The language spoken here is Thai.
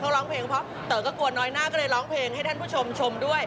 เขาร้องเพลงเพราะเต๋อก็กลัวน้อยหน้าก็เลยร้องเพลงให้ท่านผู้ชมชมด้วย